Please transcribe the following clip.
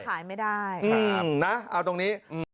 ขายไม่ได้นะเอาตรงนี้